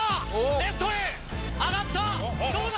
レフトへ、上がった、どうだ？